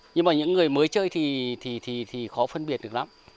nhưng mà những người mới chơi thì khó phân biệt được lắm